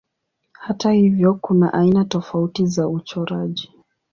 Hata hivyo kuna aina tofauti za uchoraji.